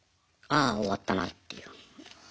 ああ終わったなっていう。